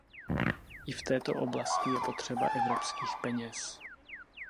I v této oblasti je potřeba evropských peněz.